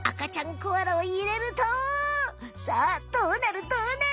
コアラをいれるとさあどうなる？